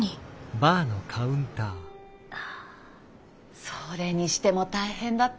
あそれにしても大変だったわ今回は。